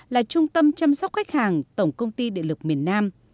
là trung tâm chăm sóc khách hàng tổng công ty địa lực miền nam